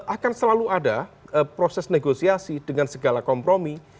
akan selalu ada proses negosiasi dengan segala kompromi